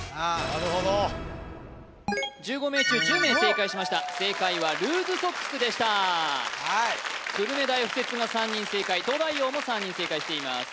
なるほど１５名中１０名正解しました正解はルーズソックスでしたはい久留米大附設が３人正解東大王も３人正解しています